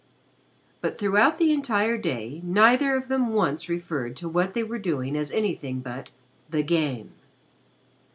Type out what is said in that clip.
But throughout the entire day neither of them once referred to what they were doing as anything but "the game."